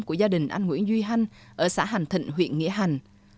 của gia đình anh nguyễn duy hanh ở xã hành thịnh huyện nghĩa hành